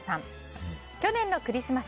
去年のクリスマス